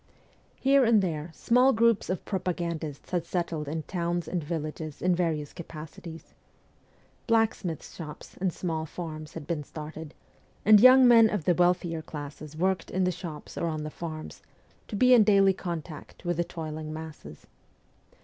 Here and there, small groups of propagandists had settled in towns and villages in various capacities. Blacksmiths' shops and small farms had been started, and young men of the wealthier classes worked in the shops or on the farms, to be in daily contact with the toiling masses.